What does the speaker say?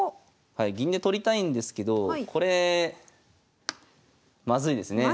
はい銀で取りたいんですけどこれまずいですね。